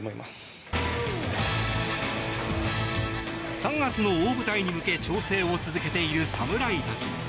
３月の大舞台に向け調整を続けている侍たち。